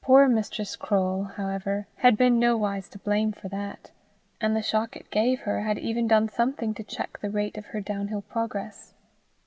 Poor Mistress Croale, however, had been nowise to blame for that, and the shock it gave her had even done something to check the rate of her downhill progress.